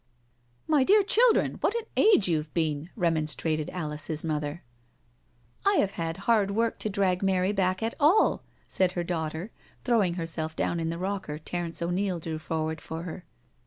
" My dear children, what an age youVe been," re monstrated Alice's mother. " I have had hard work to drag Mary back at all," said her daughter, throwing herself down in the rocker Terence O'Neil drew forward for her.